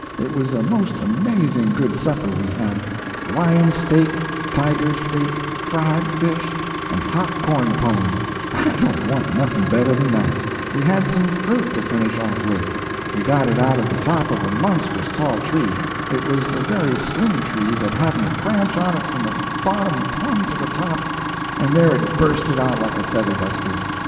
It was a most amazing good supper we had; lion steak, tiger steak, fried fish, and hot corn pone. I don't want nothing better than that. [Illustration: "We catched a lot of the nicest fish you ever see."] We had some fruit to finish off with. We got it out of the top of a monstrous tall tree. It was a very slim tree that hadn't a branch on it from the bottom plumb to the top, and there it bursted out like a feather duster.